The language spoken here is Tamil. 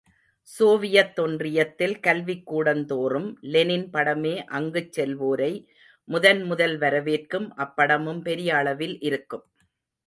சோவியத் ஒன்றியத்தில், கல்விக்கூடந்தோறும், லெனின் படமே அங்குச் செல்வோரை, முதன் முதல் வரவேற்கும், அப்படமும் பெரிய அளவில் இருக்கும்.